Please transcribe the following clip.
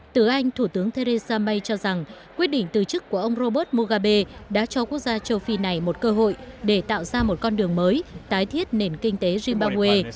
từ anh thủ tướng theresa may cho rằng quyết định từ chức của ông robert mugabe đã cho quốc gia châu phi này một cơ hội để tạo ra một con đường mới tái thiết nền kinh tế trimbabwe